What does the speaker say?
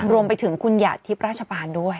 รวมไปถึงคุณหยาดทิพย์ราชปานด้วย